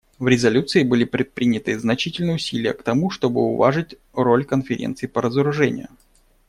В резолюции были предприняты значительные усилия к тому, чтобы уважить роль Конференции по разоружению.